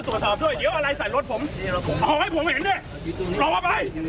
ส่วนสอบด้วยเดี๋ยวอะไรใส่รถผมเอาให้ผมเห็นดิเอามาไปให้ผมเห็นดิ